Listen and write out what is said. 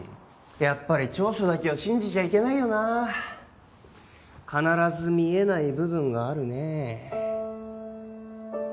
やっぱり調書だけを信じちゃいけないよな必ず見えない部分があるねえ